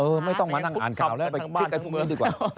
ไม่ต้องมานั่งอ่านข่าวแล้วไปคิดกันพรุ่งนี้ดีกว่า